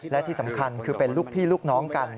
และที่สำคัญคือเป็นลูกพี่ลูกน้องกัน